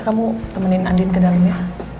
kamu temenin andit ke dalam ya